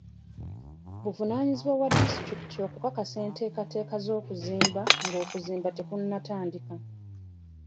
Buvunaanyizibwa bwa disitulikiti okukakasa enteekateeka z'okuzimba ng'okuzimba tekunatandika